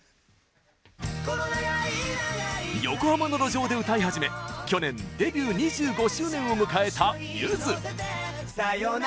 横浜の路上で歌い始め、去年デビュー２５周年を迎えたゆず。